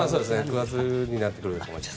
９月になってくると思います。